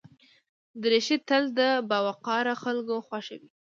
دریشي تل د باوقاره خلکو خوښه وي.